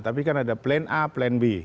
tapi kan ada plan up plan down